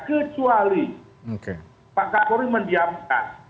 kecuali pak kapolri mendiamkan